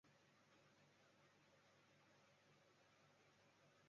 本届赛事原定由喀麦隆主办。